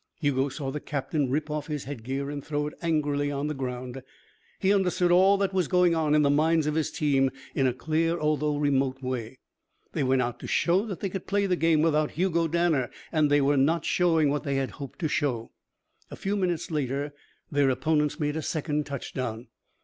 Hugo saw the captain rip off his headgear and throw it angrily on the ground. He understood all that was going on in the minds of his team in a clear, although remote, way. They went out to show that they could play the game without Hugo Danner. And they were not showing what they had hoped to show. A few minutes later their opponents made a second touchdown.